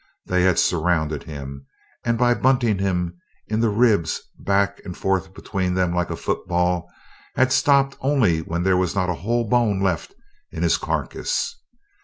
They had surrounded him and by bunting him in the ribs, back and forth between them like a football, had stopped only when there was not a whole bone left in his carcass.